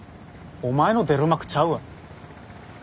お前の出る幕ちゃうわ。